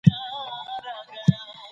پخې شوې غوښې باید په جلا لوښو کې وساتل شي.